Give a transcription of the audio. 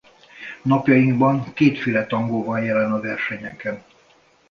Napjainkban kétféle tangó van jelen a versenyeken.